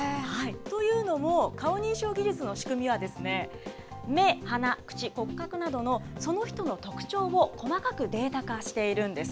というのも、顔認証技術の仕組みは、目、鼻、口、骨格などのその人の特徴を細かくデータ化しているんです。